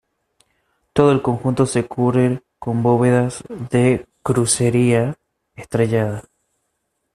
Todo el conjunto se cubre con bóvedas de crucería estrellada.